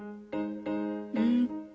うん。